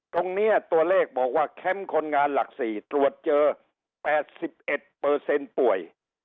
ตรงนี้ตัวเลขบอกว่าแคมป์คนงานหลัก๔ตรวจเจอ๘๑ป่วย